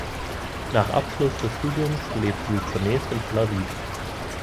Nach Abschluss des Studiums lebte sie zunächst in Tel Aviv.